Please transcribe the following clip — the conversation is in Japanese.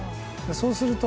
そうすると。